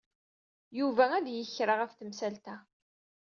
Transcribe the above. Yuba ad yeg kra ɣef temsalt-a.